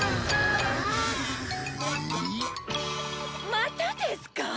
またですか！？